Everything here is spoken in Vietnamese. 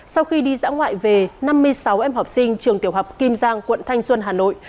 sau khi đi dã ngoại về năm mươi sáu em học sinh trường tiểu học kim giang quận thanh xuân hà nội